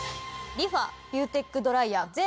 リファビューテックドライヤー